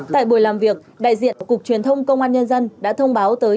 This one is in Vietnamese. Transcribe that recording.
tại buổi làm việc đại diện cục truyền thông công an nhân dân đã thông báo tới